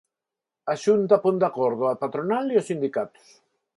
A Xunta pon de acordo a patronal e os sindicatos.